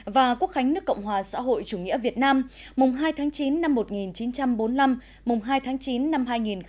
và quốc khánh nước cộng hòa xã hội chủ nghĩa việt nam mùng hai tháng chín năm một nghìn chín trăm bốn mươi năm mùng hai tháng chín năm hai nghìn hai mươi